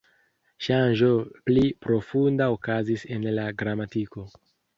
Ŝanĝo pli profunda okazis en la gramatiko.